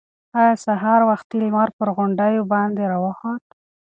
ایا سهار وختي لمر پر غونډیو باندې راوخوت؟